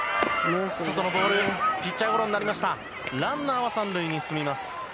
ランナーは３塁に進みます。